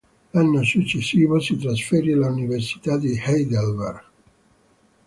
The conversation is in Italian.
L'anno successivo si trasferì all'Università di Heidelberg.